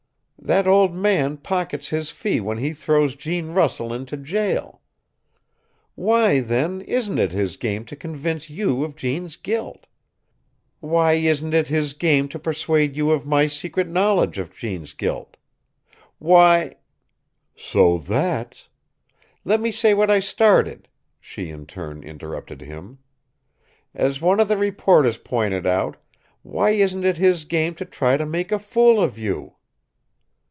"That old man pockets his fee when he throws Gene Russell into jail. Why, then, isn't it his game to convince you of Gene's guilt? Why isn't it his game to persuade you of my secret knowledge of Gene's guilt? Why " "So, that's " "Let me say what I started," she in turn interrupted him. "As one of the reporters pointed out, why isn't it his game to try to make a fool of you?"